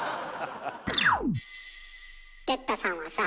哲太さんはさぁ。